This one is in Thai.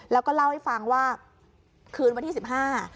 แล้วก็เล่าให้ฟังว่าคืนวันที่สิบห้า